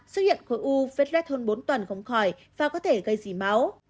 xuất hiện khối u vết rết hơn bốn tuần không khỏi và có thể gây rỉ máu